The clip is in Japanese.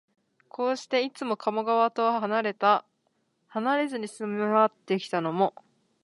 こうして、いつも加茂川とはなれずに住まってきたのも、